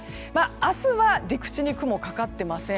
明日は陸地に雲がかかってません。